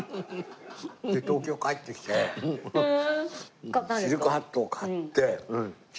東京帰ってきてシルクハットを買って中古のね。